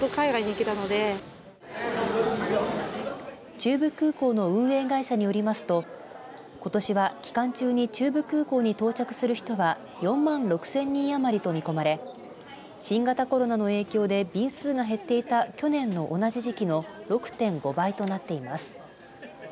中部空港の運営会社によりますとことしは期間中に中部空港に到着する人は４万６０００人余りと見込まれ新型コロナの影響で便数が減っていた去年の同じ時期の６．５倍となっています。